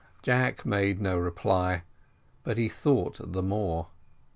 Jack made no reply, but he thought the more.